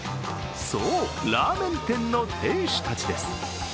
そう、ラーメン店の店主たちです。